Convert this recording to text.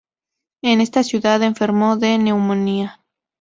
En esta ciudad enfermó de neumonía.